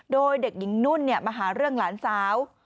โดยเด็กหญิงนุ่นมาหาเรื่องหลานสาว